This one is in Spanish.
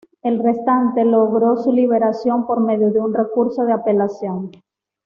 El restante logró su liberación por medio de un recurso de apelación.